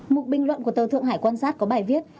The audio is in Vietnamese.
một bình luận của tờ thượng hải quan sát có bài viết